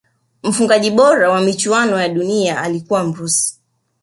mfungaji bora wa michuano ya duniani ya alikuwa mrusi